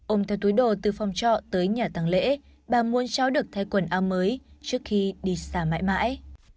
ông theo túi đồ từ phòng trọ tới nhà tăng lễ bà muốn cháu được thay quần áo mới trước khi đi xa mãi mãi